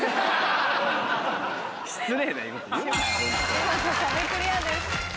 見事壁クリアです。